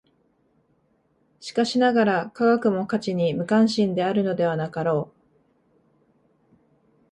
しかしながら、科学も価値に無関心であるのではなかろう。